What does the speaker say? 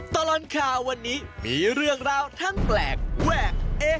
ตลอดข่าววันนี้มีเรื่องราวทั้งแปลกแวกเอ๊